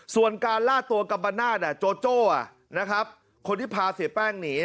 ส่วนการล่าตัวกัมปนาศโจโจ้คนที่พาเสียแป้งหนี